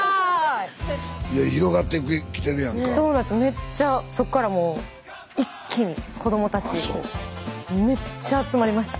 めっちゃそっからもう一気に子どもたちめっちゃ集まりました。